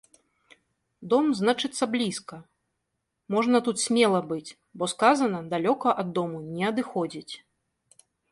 Дом, значыцца, блізка, можна тут смела быць, бо сказана далёка ад дому не адыходзіць.